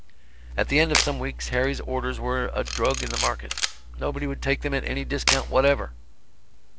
At the end of some weeks Harry's orders were a drug in the market nobody would take them at any discount whatever.